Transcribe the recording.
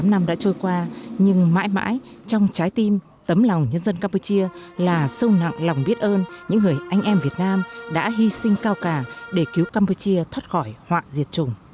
ba mươi tám năm đã trôi qua nhưng mãi mãi trong trái tim tấm lòng nhân dân campuchia là sâu nặng lòng biết ơn những người anh em việt nam đã hy sinh cao cả để cứu campuchia